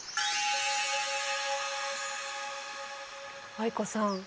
藍子さん